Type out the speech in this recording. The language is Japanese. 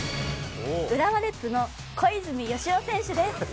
浦和レッズの小泉佳穂選手です。